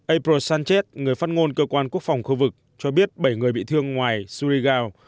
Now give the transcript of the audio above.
april sanchez người phát ngôn cơ quan quốc phòng khu vực cho biết bảy người bị thương ngoài surigao